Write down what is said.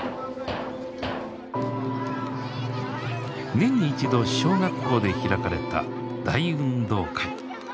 年に一度小学校で開かれた大運動会。